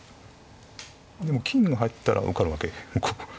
でも金が入ったら受かるわけ？